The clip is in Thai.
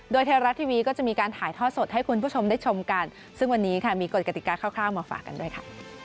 โดยไทยรัฐทีวีก็จะมีการถ่ายทอดสดให้คุณผู้ชมได้ชมกันซึ่งวันนี้ค่ะมีกฎกติกาคร่าวมาฝากกันด้วยค่ะ